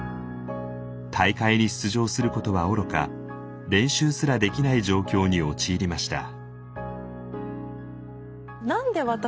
大会に出場することはおろか練習すらできない状況に陥りました。